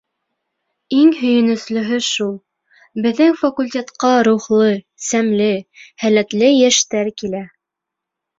Иң һөйөнөслөһө шул: беҙҙең факультетҡа рухлы, сәмле, һәләтле йәштәр килә.